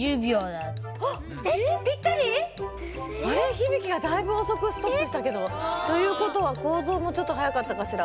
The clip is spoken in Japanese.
ヒビキがだいぶおそくストップしたけど。ということはコーゾーもちょっとはやかったかしら。